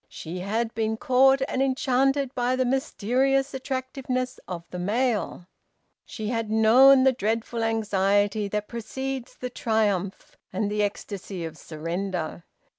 She had been caught and enchanted by the mysterious attractiveness of the male. She had known the dreadful anxiety that precedes the triumph, and the ecstasy of surrender.